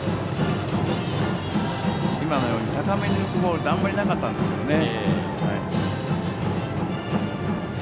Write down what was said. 高めに浮くボールってあんまりなかったんですけどね。